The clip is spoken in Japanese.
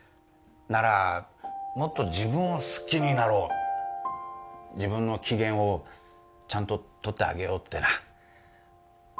ならもっと自分を好きになろう自分の機嫌をちゃんと取ってあげようってな。